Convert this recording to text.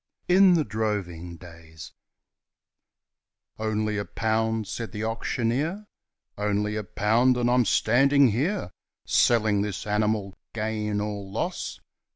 In the Droving Days 'Only a pound,' said the auctioneer, 'Only a pound; and I'm standing here Selling this animal, gain or loss.